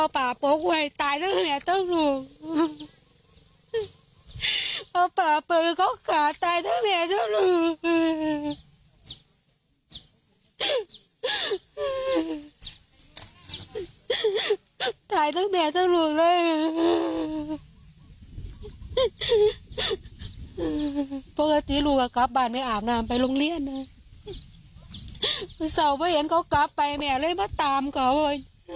ปกติลูกก็กลับบ้านไปอาบน้ำไปโรงเรียนอ่ะคุณสาวไม่เห็นเขากลับไปแม่เลยมาตามเขาเฮ้ย